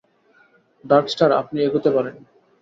Darkstar, আপনি এগোতে পারেন।